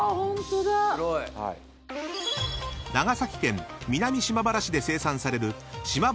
［長崎県南島原市で生産される］